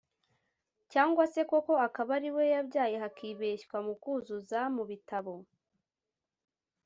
cyangwa se koko akaba ari we yabyaye hakibeshywa mu kuzuza mu bitabo